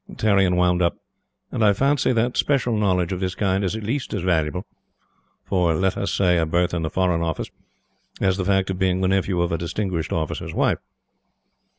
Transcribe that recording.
Tarrion wound up: "And I fancy that special knowledge of this kind is at least as valuable for, let us say, a berth in the Foreign Office, as the fact of being the nephew of a distinguished officer's wife."